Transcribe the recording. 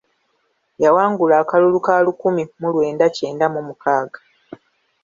Yawangula akalulu ka lukumi mu lwenda kyenda mu mukaaga.